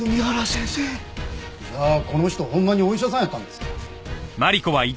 じゃあこの人ほんまにお医者さんやったんですか。